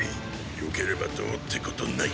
よければどうってことない。